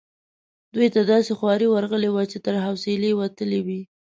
دوی ته داسي خوارې ورغلي وې چې تر حوصلې وتلې وي.